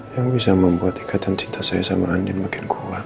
yang bisa membuat ikatan cinta saya sama andin makin kuat